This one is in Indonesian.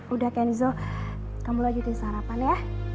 udah kenzo kamu lanjutin sarapan ya